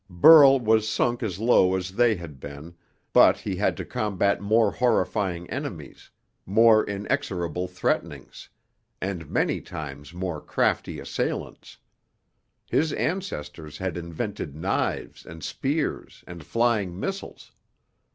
Burl was sunk as low as they had been, but he had to combat more horrifying enemies, more inexorable threatenings, and many times more crafty assailants. His ancestors had invented knives and spears and flying missiles.